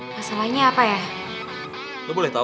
masalahnya apa ya